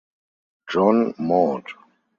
John Maude.